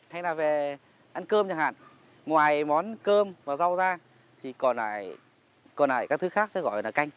hay là về ăn cơm chẳng hạn ngoài món cơm và rau ra thì còn lại còn lại các thứ khác sẽ gọi là canh